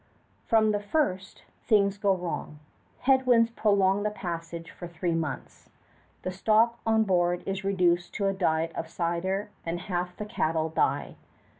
From the first, things go wrong. Head winds prolong the passage for three months. The stock on board is reduced to a diet of cider, and half the cattle die.